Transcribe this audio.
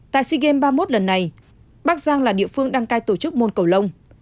tại sea games ba mươi một lần này bắc giang là địa phương đăng cai tổ chức môn cầu lông